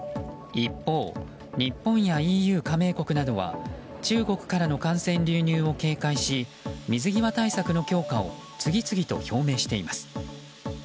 一方、日本やＥＵ加盟国などは中国からの感染流入を警戒し水際対策の強化を次々と表明しています。